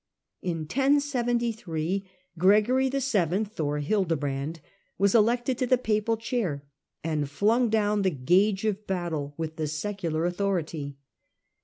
In 1073 Gregory VII, or Hildebrand, was elected to the Papal Chair, and flung down the gage of battle with the secular authority.